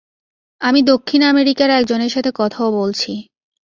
আমি দক্ষিণ আমেরিকার একজনের সাথে কথাও বলছি।